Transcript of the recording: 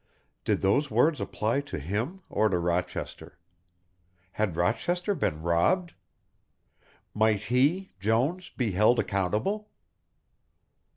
Did those words apply to him or to Rochester? Had Rochester been robbed? Might he, Jones, be held accountable?